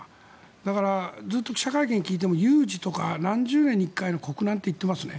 だから、ずっと記者会見を聞いても有事とか何十年に１回の国難といっていますね。